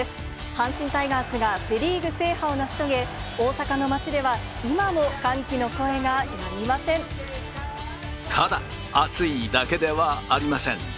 阪神タイガースがセ・リーグ制覇を成し遂げ、大阪の街では、ただ、熱いだけではありません。